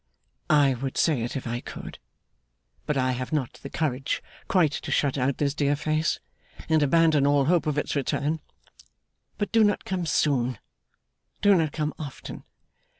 'I would say it, if I could; but I have not the courage quite to shut out this dear face, and abandon all hope of its return. But do not come soon, do not come often!